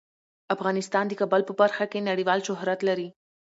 افغانستان د کابل په برخه کې نړیوال شهرت لري.